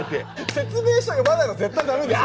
説明書読まないの絶対ダメでしょ。